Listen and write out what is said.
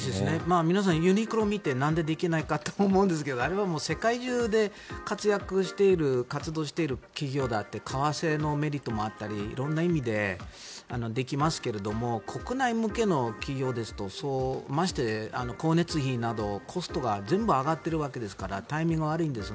皆さん、ユニクロを見てなんでできないのかと思うんですがあれは世界中で活躍している、活動している企業だって為替のメリットもあったり色んな意味でできますけれども国内向けの企業ですとまして光熱費などコストが全部上がってるわけですからタイミングが悪いんですが。